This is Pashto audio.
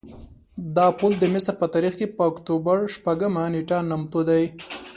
دا پل د مصر په تاریخ کې په اکتوبر شپږمه نېټه نامتو دی.